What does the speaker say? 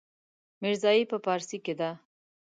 ميرزايي په پارسي کې ده.